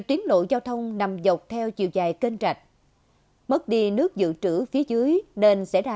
tiến lộ giao thông nằm dọc theo chiều dài kênh rạch mất đi nước dự trữ phía dưới nên sẽ ra